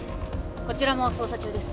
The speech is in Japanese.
こちらも捜査中です